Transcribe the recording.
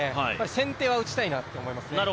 先手は打ちたいなと思いますね。